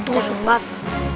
tuh usut banget